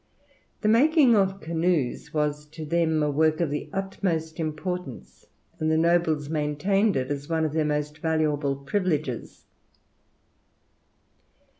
The making of canoes was to them a work of the utmost importance, and the nobles maintained it as one of their most valuable privileges.